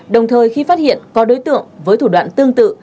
đồng thời khi phát hiện có đối tượng với thủ đoạn tương tự